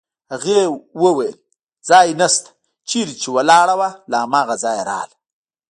هغې وویل: ځای نشته، چېرې چې ولاړه وه له هماغه ځایه راغله.